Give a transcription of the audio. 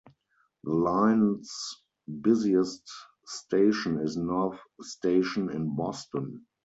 The line's busiest station is North Station in Boston.